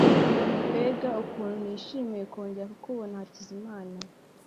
mbega ukuntu nishimiye kongera kukubona, hakizimana